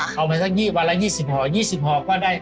ค่ะเอาไปสัก๒๐วันละ๒๐หอ๒๐หอก็ได้